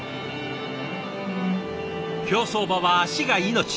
競走馬は足が命！